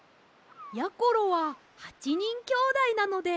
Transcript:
やころは８にんきょうだいなので８